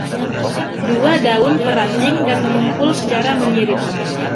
Dua daun per ranting dan mengumpul secara menyirip.